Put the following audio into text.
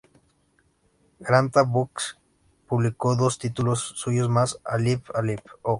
Granta Books publicó dos títulos suyos más: "Alive, Alive Oh!